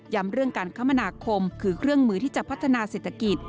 เรื่องการคมนาคมคือเครื่องมือที่จะพัฒนาเศรษฐกิจ